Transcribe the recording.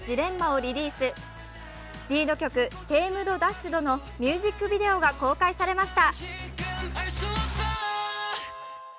リード曲、「Ｔａｍｅｄ−Ｄａｓｈｅｄ」のミュージックビデオが公開されました。